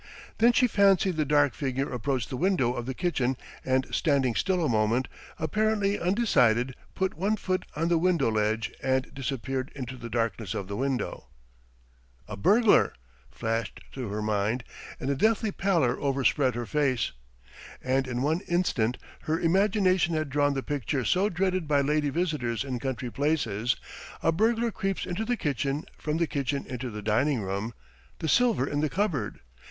Then she fancied the dark figure approached the window of the kitchen and, standing still a moment, apparently undecided, put one foot on the window ledge and disappeared into the darkness of the window. "A burglar!" flashed into her mind and a deathly pallor overspread her face. And in one instant her imagination had drawn the picture so dreaded by lady visitors in country places a burglar creeps into the kitchen, from the kitchen into the dining room ... the silver in the cupboard